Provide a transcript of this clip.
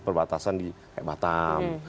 perbatasan di batam